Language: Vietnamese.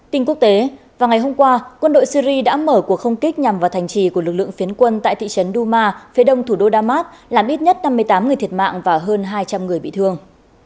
tin quốc tế vào ngày hôm qua quân đội syri đã mở cuộc không kích nhằm vào thành trì của lực lượng phiến quân tại thị trấn duma phía đông thủ đô damas làm ít nhất năm mươi tám người thiệt mạng và hơn hai trăm linh người bị thương